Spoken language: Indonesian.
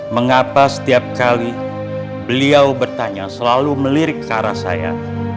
mengapa setiap kali beliau bertanya selalu melirik ke arah saya